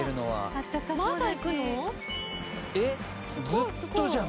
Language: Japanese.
ずっとじゃん。